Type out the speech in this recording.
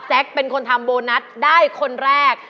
เป็นคนทำโบนัสได้คนแรก